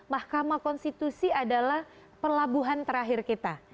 mahkamah konstitusi adalah pelabuhan terakhir kita